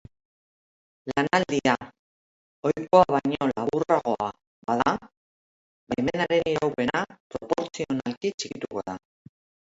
Lanaldia ohikoa baino laburragoa bada, baimenaren iraupena proportzionalki txikituko da.